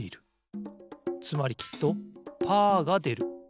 つまりきっとパーがでる。